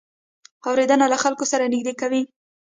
اورېدنه له خلکو سره نږدې کوي.